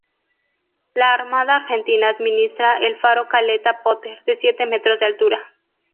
La Armada Argentina administra el Faro Caleta Potter de siete metros de altura.